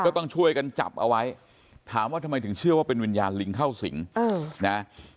ต้องช่วยกันจับเอาไว้ถามว่าทำไมถึงเชื่อว่าเป็นวิญญาณลิงเข้าสิงนะ